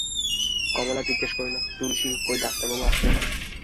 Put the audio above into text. কমলা জিজ্ঞাসা করিল, তুলসী, কই ডাক্তারবাবু আসিলেন না?